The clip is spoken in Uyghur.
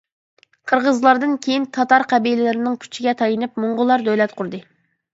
قىرغىزلاردىن كېيىن تاتار قەبىلىلىرىنىڭ كۈچىگە تايىنىپ، موڭغۇللار دۆلەت قۇردى.